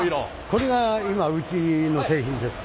これが今うちの製品です。